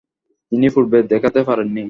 তিনি পূর্বে দেখাতে পারেননি।